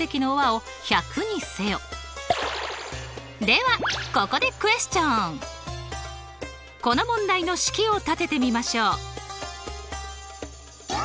ではここでこの問題の式を立ててみましょう。